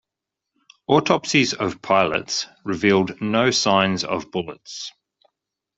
Autopsies of pilots revealed no signs of bullets.